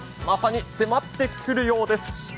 まさに迫ってくるようです。